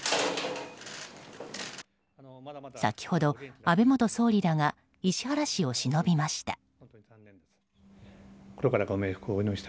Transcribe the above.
先ほど、安倍元総理らが石原氏をしのびました。